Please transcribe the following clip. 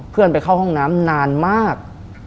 เพื่อนไปเข้าห้องน้ำนานมาก